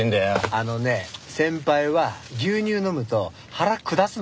あのね先輩は牛乳飲むと腹下すの。